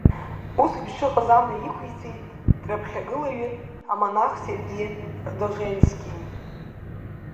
Усеиԥш иҟаз амҩа иқәиҵеит, драԥхьагылаҩын амонах Серги Радонежски.